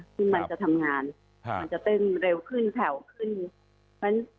ที่มันจะทำงานมันจะเต้นเร็วขึ้นแผ่วขึ้น